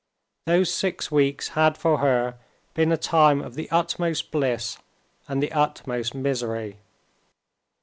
Those six weeks had for her been a time of the utmost bliss and the utmost misery.